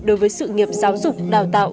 đối với sự nghiệp giáo dục đào tạo